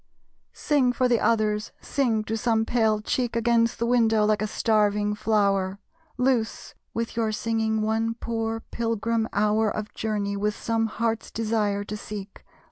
Sing, for the others! Sing; to some pale cheek Against the window, like a starving flower. Loose, with your singing, one poor pilgrim hour Of journey, with some Heart's Desire to seek.